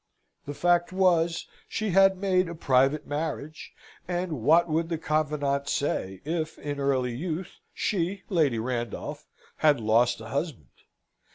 The fact was, she had made a private marriage, and what would the confidante say, if, in early youth, she, Lady Randolph, had lost a husband?